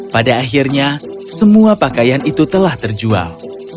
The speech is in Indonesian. pada akhirnya semua pakaian itu telah terjual